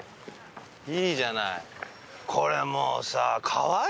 いいじゃない。